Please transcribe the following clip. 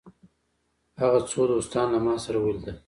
هغه څو دوستان له ما سره ولیدل.